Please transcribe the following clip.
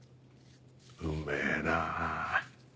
うめぇな。